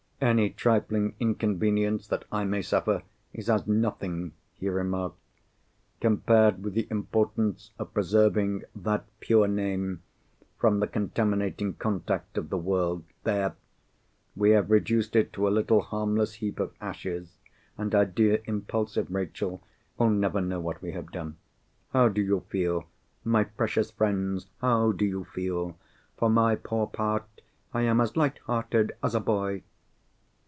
"Any trifling inconvenience that I may suffer is as nothing," he remarked, "compared with the importance of preserving that pure name from the contaminating contact of the world. There! We have reduced it to a little harmless heap of ashes; and our dear impulsive Rachel will never know what we have done! How do you feel? My precious friends, how do you feel? For my poor part, I am as light hearted as a boy!"